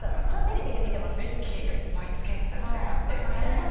ベッキーがいっぱいつけてた時代あったよね。